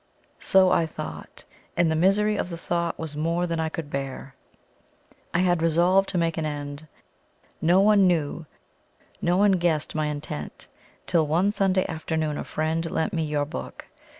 So I thought and the misery of the thought was more than I could bear. I had resolved to make an end. No one knew, no one guessed my intent, till one Sunday afternoon a friend lent me your book.